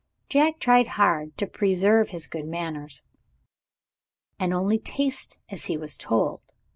Jack tried hard to preserve his good manners, and only taste as he was told.